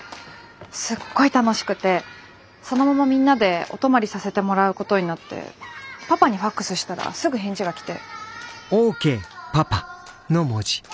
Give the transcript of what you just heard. すっごい楽しくてそのままみんなでお泊まりさせてもらうことになってパパにファックスしたらすぐ返事が来て。